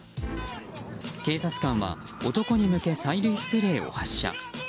警察官は男に向け催涙スプレーを発射。